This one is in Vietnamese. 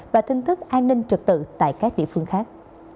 và tin tức an ninh trực tự tại các địa phương khác